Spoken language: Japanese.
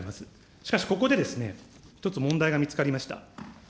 しかしここで一つ問題が見つかりました。